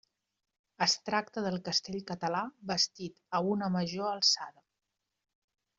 Es tracta del castell català bastit a una major alçada.